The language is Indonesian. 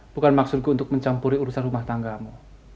bukan maksudku untuk mencampuri urusan rumah tanggamu